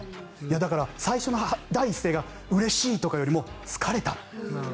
最初の第一声がうれしいよりも、疲れた。